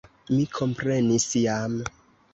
Mi komprenis jam.